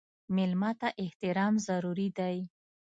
مېلمه ته احترام ضروري دی.